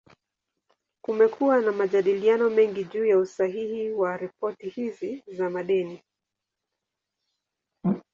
Kumekuwa na majadiliano mengi juu ya usahihi wa ripoti hizi za madeni.